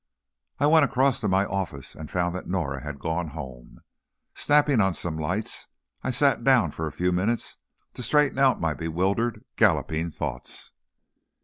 I went across to my office and found that Norah had gone home. Snapping on some lights, I sat down for a few minutes to straighten out my bewildered, galloping thoughts.